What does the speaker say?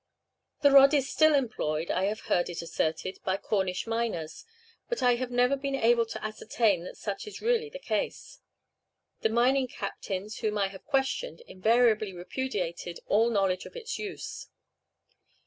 The rod is still employed, I have heard it asserted, by Cornish miners; but I have never been able to ascertain that such is really the case. The mining captains whom I have questioned invariably repudiated all knowledge of its use.